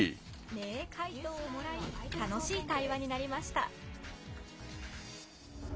迷回答をもらい楽しい対話になりました。